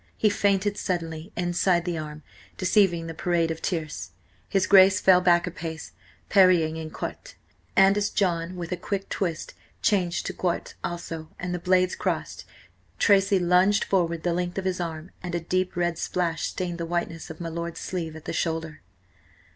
He feinted suddenly inside the arm, deceiving the parade of tierce. His Grace fell back a pace, parrying in quarte, and as John with a quick twist changed to quarte also and the blades crossed, Tracy lunged forward the length of his arm, and a deep red splash stained the whiteness of my lord's sleeve at the shoulder.